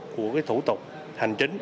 của thủ tục hành chính